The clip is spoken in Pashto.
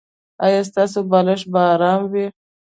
ایا ستاسو بالښت به ارام وي؟